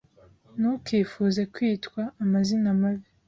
Ntukifuze kwitwa amazina mabi ...